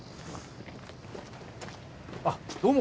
あどうも。